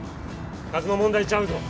数の問題ちゃうぞ。